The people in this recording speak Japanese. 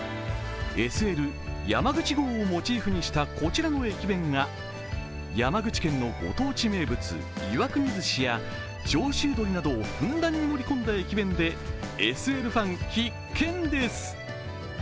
ＳＬ「やまぐち」号をモチーフにした、こちらの駅弁が山口県の御当地名物、岩国寿司や長州鶏などをふんだんに盛り込んだ駅弁で、ＳＬファン必見です。